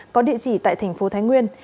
có địa chỉ tại thành phố thái nguyên